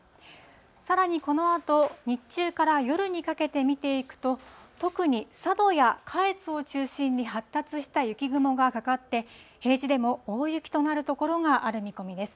さらにこのあと、日中から夜にかけて見ていくと、特に佐渡や下越を中心に発達した雪雲がかかって、平地でも大雪となる所がある見込みです。